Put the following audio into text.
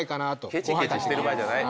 ケチケチしてる場合じゃない。